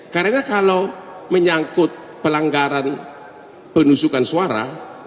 karena kalau menyangkut pelanggaran penusukan suara